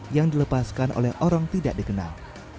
yang dilepaskan oleh orang tidak dikenal